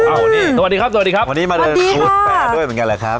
เอานี่สวัสดีครับสวัสดีครับวันนี้มาเดินครูสแตด้วยเหมือนกันแหละครับ